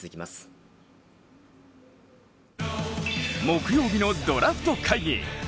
木曜日のドラフト会議。